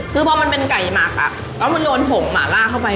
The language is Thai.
คือพอมันเป็นไก่หมากค่ะก็มันโดนผงหมาล่าเข้าไป